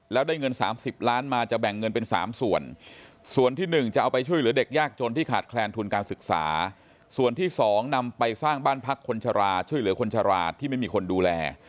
แล้วเอาคนที่กระทำความผิดมาหลงโทษให้ได้